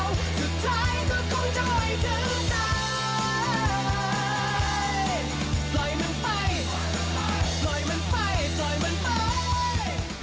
ปล่อยมันไปปล่อยมันไปปล่อยมันไป